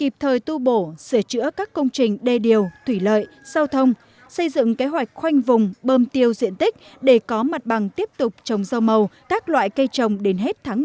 mời tu bổ sửa chữa các công trình đe điều thủy lợi giao thông xây dựng kế hoạch khoanh vùng bơm tiêu diện tích để có mặt bằng tiếp tục trồng rau màu các loại cây trồng đến hết tháng một mươi một năm hai nghìn một mươi bảy